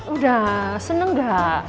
udah seneng gak